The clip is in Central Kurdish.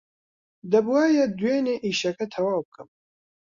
دەبووایە دوێنێ ئیشەکە تەواو بکەم.